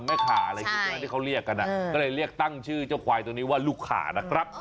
แม่คาอะไรที่เขาเรียกกันก็เลยเรียกตั้งชื่อเจ้าควายตรงนี้ว่าลูกคานะครับ